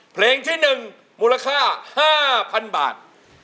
เพลงที่๑มูลค่า๕๐๐๐บาท